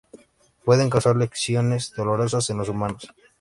Puede causar lesiones dolorosas en los humanos.